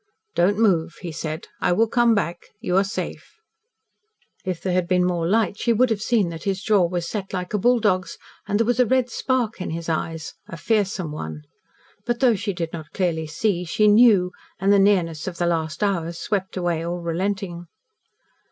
"Don't move," he said. "I will come back. You are safe." If there had been more light she would have seen that his jaw was set like a bulldog's, and there was a red spark in his eyes a fearsome one. But though she did not clearly see, she KNEW, and the nearness of the last hours swept away all relenting.